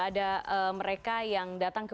ada mereka yang datang ke